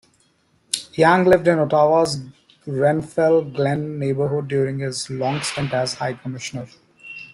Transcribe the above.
Yang lived in Ottawa's Grenfell Glen neighborhood during his long stint as High Commissioner.